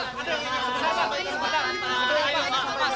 pak irman terangkan sebentar pak